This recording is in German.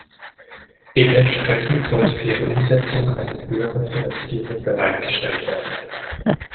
Dementsprechend sollte für ihre Umsetzung eine höhere Finanzierung bereitgestellt werden.